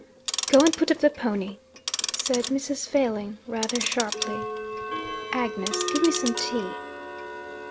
"Go and put up the pony," said Mrs. Failing rather sharply. "Agnes, give me some tea."